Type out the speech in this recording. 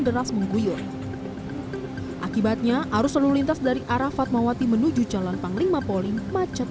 deras mengguyur akibatnya arus lalu lintas dari arah fatmawati menuju calon panglima polim macet